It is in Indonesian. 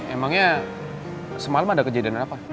emangnya semalam ada kejadian apa